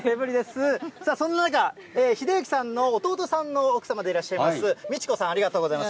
そんな中、秀行さんの弟さんの奥様でいらっしゃいます道子さん、ありがとうございます。